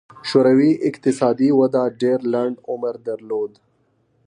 شوروي اقتصادي وده ډېر لنډ عمر درلود.